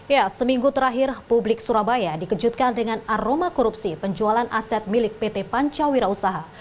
ya seminggu terakhir publik surabaya dikejutkan dengan aroma korupsi penjualan aset milik pt pancawira usaha